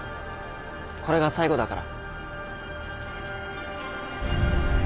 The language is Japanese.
これが最後だから。